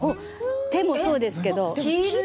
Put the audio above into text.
手もそうですけど。